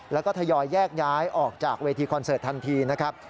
แล้วก็ทยอยแยกย้ายออกจากเวทีคอนเสิร์ตทันทีนะครับ